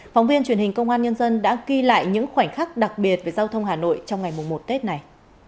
phóng viên truyền hình công an nhân dân đã ghi lại những khoảnh khắc đặc biệt về giao thông hà nội trong ngày một tết này